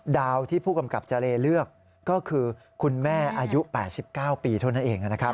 ดาวที่ผู้กำกับเจรเลือกก็คือคุณแม่อายุ๘๙ปีเท่านั้นเองนะครับ